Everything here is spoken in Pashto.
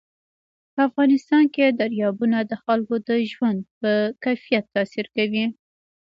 په افغانستان کې دریابونه د خلکو د ژوند په کیفیت تاثیر کوي.